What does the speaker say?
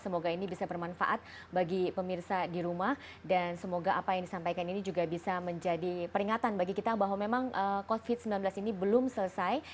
semoga ini bisa bermanfaat bagi pemirsa di rumah dan semoga apa yang disampaikan ini juga bisa menjadi peringatan bagi kita bahwa memang covid sembilan belas ini belum selesai